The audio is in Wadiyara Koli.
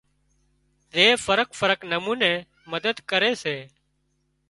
زي فرق فرق نموني مدد ڪري سي